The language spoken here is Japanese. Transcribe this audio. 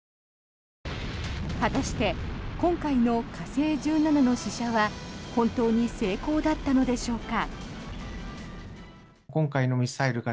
果たして今回の火星１７の試射は本当に成功だったのでしょうか。